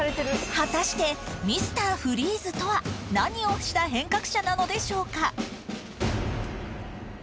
果たしてＭｒ．フリーズとは何をした変革者なのでしょうか？